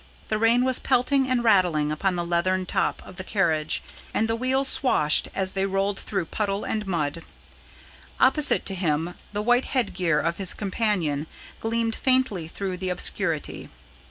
The rain was pelting and rattling upon the leathern top of the carriage, and the wheels swashed as they rolled through puddle and mud. Opposite to him the white headgear of his companion gleamed faintly through the obscurity.